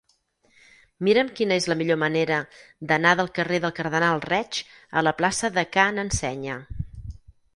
Mira'm quina és la millor manera d'anar del carrer del Cardenal Reig a la plaça de Ca n'Ensenya.